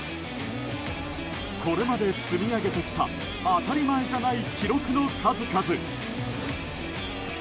これまで積み上げてきた当たり前じゃない記録の数々。